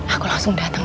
aku langsung ke rumah